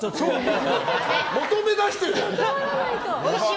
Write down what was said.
求め出している！